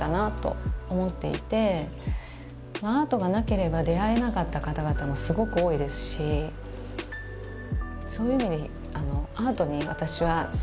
アートがなければ出会えなかった方々もすごく多いですしそういう意味でアートが人生を豊かにする